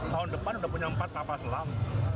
tahun depan sudah punya empat kapal selam